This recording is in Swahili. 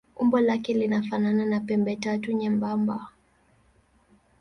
Umbo lake linafanana na pembetatu nyembamba.